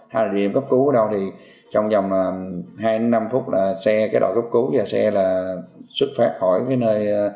hay là địa điểm cấp cứu ở đâu thì trong vòng hai năm phút là xe cái đội cấp cứu và xe là xuất phát khỏi cái nơi